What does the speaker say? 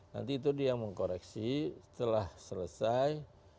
nanti itu dia yang mengkoreksi setelah selesai